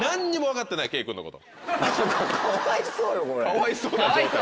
かわいそうな状態。